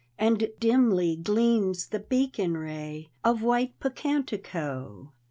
And dimly gleams the beacon ray Of white Pocantico.